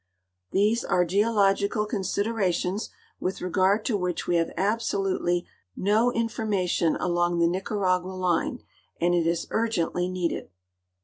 These are geological considerations with regard to which we have alisolutely no information along the Nicaragua line, and it is urgently needed.